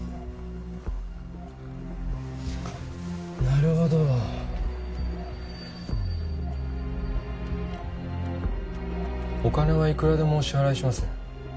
なるほどお金はいくらでもお支払いします